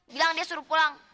bilang dia suruh pulang